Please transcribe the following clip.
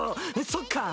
そっか。